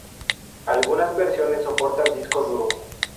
Algunas versiones soportan disco duro.